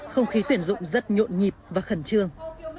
không khí tuyển dụng rất nhộn nhịp và khẩn trương